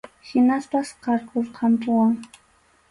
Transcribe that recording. Hinaspas qarqurqampuwan.